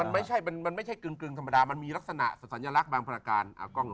มันไม่ใช่กรึงธรรมดามันมีลักษณะสัญลักษณ์บางพลการ